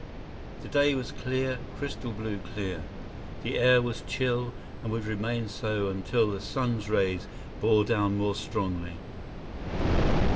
The day was clear, crystal blue clear. The air was chill and would remain so until the sun's rays bore down more strongly.